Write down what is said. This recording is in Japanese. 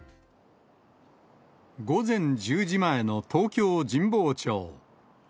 午前１０時前の東京・神保町。